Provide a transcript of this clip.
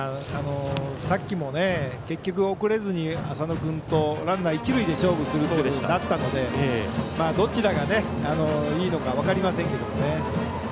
さっきも結局、送れずに浅野君とランナー、一塁で勝負することになったので、どちらがいいのか分かりませんけどね。